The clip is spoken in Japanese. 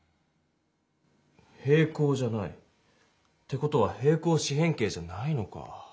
平行じゃない。って事は平行四辺形じゃないのか。